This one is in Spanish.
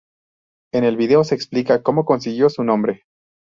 En el video se explica cómo consiguió su nombre.